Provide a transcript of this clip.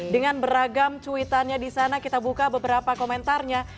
dengan beragam cuitannya disana kita buka beberapa komentarnya